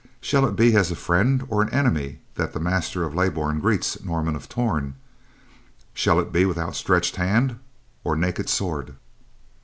Shall it be as a friend or an enemy that the master of Leybourn greets Norman of Torn; shall it be with outstretched hand or naked sword?"